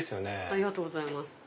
ありがとうございます。